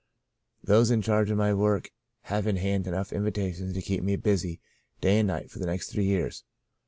Those in charge of my work have in hand enough invitations to keep me busy day and night for the next three years.